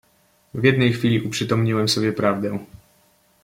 "W jednej chwili uprzytomniłem sobie prawdę."